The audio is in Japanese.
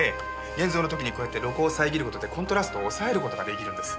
現像の時にこうやって露光を遮る事でコントラストを抑える事が出来るんです。